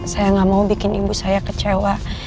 saya nggak mau bikin ibu saya kecewa